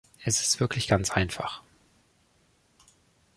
Es ist wirklich ganz einfach.